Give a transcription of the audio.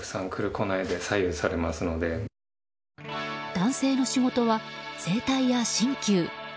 男性の仕事は整体や針灸。